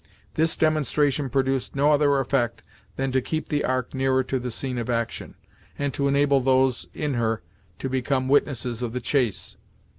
This demonstration produced no other effect than to keep the Ark nearer to the scene of action, and to enable those in her to become witnesses of the chase.